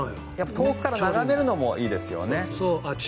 遠くから眺めるのもいいですよね。